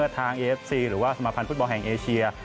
ทางเอเชียร์หรือว่าสมาภัณฑ์ฟุตบอลแห่งเอเชียร์